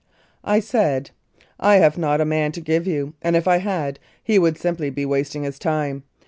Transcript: I said, "I have not a man to give you, and if I had, he would simply be wasting his time.